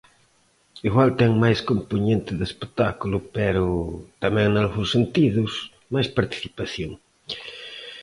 Igual ten máis compoñente de espectáculo pero, tamén nalgúns sentidos, máis participación.